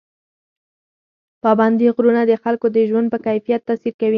پابندي غرونه د خلکو د ژوند په کیفیت تاثیر کوي.